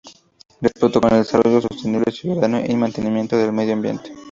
Respeto con el desarrollo sostenible, cuidado y mantenimiento del medio ambiente.